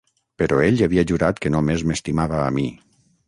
Però ell li havia jurat que només m'estimava a mi.